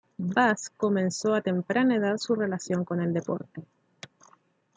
Bas comenzó a temprana edad su relación con el deporte.